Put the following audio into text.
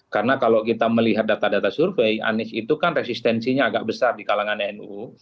karena kalau kita melihat data data survei anies itu kan resistensinya agak besar di kalangan nu